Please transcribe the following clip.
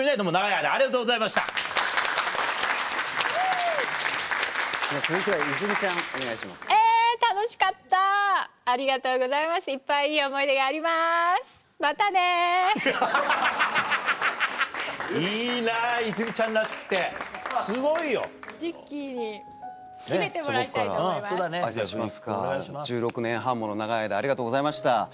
挨拶しますか１６年半もの長い間ありがとうございました。